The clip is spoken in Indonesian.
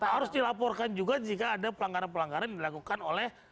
harus dilaporkan juga jika ada pelanggaran pelanggaran yang dilakukan oleh